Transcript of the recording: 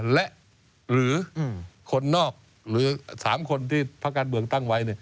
และหรือคนนอกหรือ๓คนที่ภาคการเมืองตั้งไว้